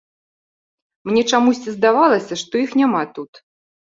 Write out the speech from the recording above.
Мне чамусьці здавалася, што іх няма тут.